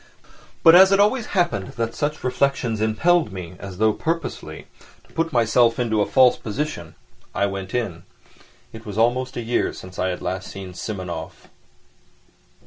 But as it always happened that such reflections impelled me, as though purposely, to put myself into a false position, I went in. It was almost a year since I had last seen Simonov.